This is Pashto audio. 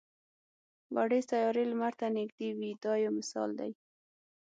وړې سیارې لمر ته نږدې وي دا یو مثال دی.